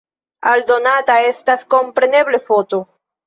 Aldonata estas, kompreneble, foto.